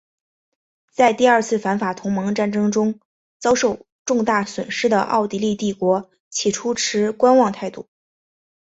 在第二次反法同盟战争中遭受重大损失的奥地利帝国起初持观望态度。